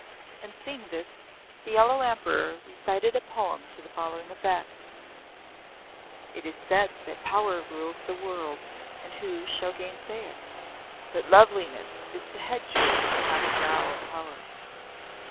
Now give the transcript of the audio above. And seeing this, the Yellow Emperor recited a poem to the following effect: "It is said that Power rules the world And who shall gainsay it? But Loveliness is the head jewel upon the brow of Power."